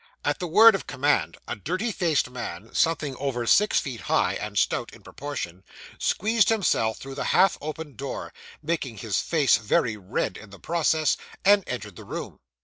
At the word of command, a dirty faced man, something over six feet high, and stout in proportion, squeezed himself through the half open door (making his face very red in the process), and entered the room.